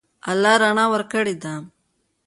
الله رڼا ورکړې ده.